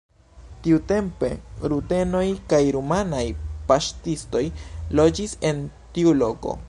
Tiutempe rutenoj kaj rumanaj paŝtistoj loĝis en tiu loko.